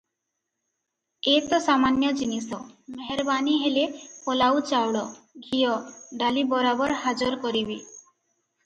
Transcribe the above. ଏ ତ ସାମାନ୍ୟ ଜିନିଷ, ମେହେରବାନି ହେଲେ ପଲାଉ ଚାଉଳ, ଘିଅ, ଡାଲି ବରାବର ହାଜର କରିବି ।